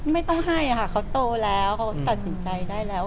ไม่ต้องให้ค่ะเขาโตแล้วเขาตัดสินใจได้แล้ว